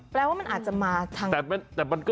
แปลว่ามันอาจจะมาทางนั้น